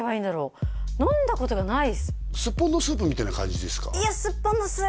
スッポンのスープみたいな感じですか？